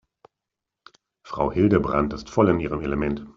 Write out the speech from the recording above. Frau Hildebrand ist voll in ihrem Element.